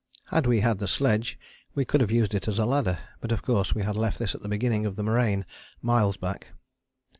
Had we had the sledge we could have used it as a ladder, but of course we had left this at the beginning of the moraine miles back.